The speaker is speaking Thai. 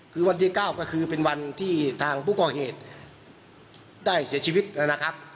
คือวันที่๙ก็คือเป็นวันที่ทางผู้ก่อเหตุได้เสียชีวิตนะครับ